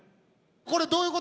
これどういうこと？